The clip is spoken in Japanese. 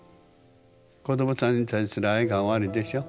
子どもさんに対する愛がおありでしょ？